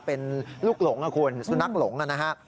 เป็นลูกหลงนะคุณสุนัขหลงนะฮะ